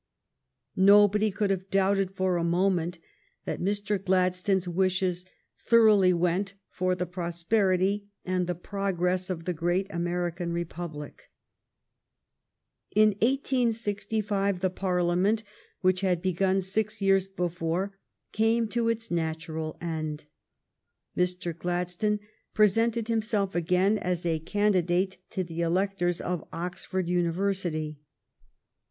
Nobody could have doubted for a moment that Mr. Gladstone's wishes thor oughly went for the prosperity and the progress of the great American Republic. In 1865 the Parliament which had begun six years before came to its natural end. Mr. Glad stone presented himself again as a candidate to the electors of Oxford University.